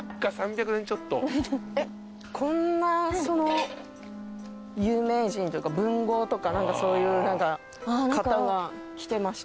こんな有名人というか文豪とかそういう方が来てましたよとか。